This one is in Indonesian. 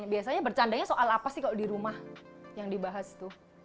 biasanya bercandanya soal apa sih kalau di rumah yang dibahas tuh